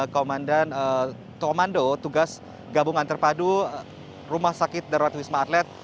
komandan komando tugas gabungan terpadu rumah sakit darurat wisma atlet